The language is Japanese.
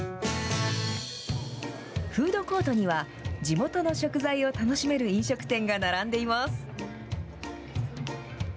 フードコートには地元の食材を楽しめる飲食店が並んでいます。